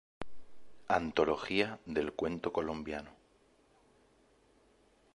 Antología del cuento colombiano.